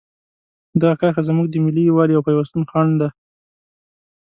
دغه کرښه زموږ د ملي یووالي او پیوستون خنډ ده.